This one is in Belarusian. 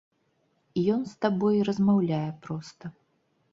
Ён з табой размаўляе проста.